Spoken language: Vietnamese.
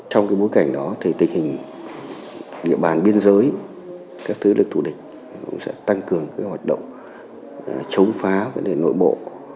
trong bối cảnh đó thì tình hình địa bàn biên giới các tư lực thủ địch cũng sẽ tăng cường hoạt động chống phá nội bộ